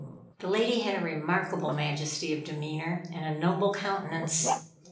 The lady had a remarkable majesty of demeanor, and a noble countenance.